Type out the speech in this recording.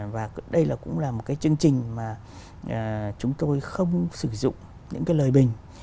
và đây cũng là một cái chương trình mà chúng tôi không sử dụng những cái lời bình